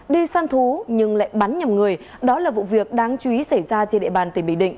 đi san thú nhưng lại bắn nhầm người đó là vụ việc đáng chú ý xảy ra trên địa bàn tỉnh bình định